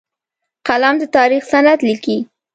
قلم د تاریخ سند لیکي